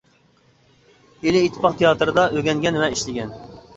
ئىلى ئىتتىپاق تىياتىرىدا ئۆگەنگەن ۋە ئىشلىگەن.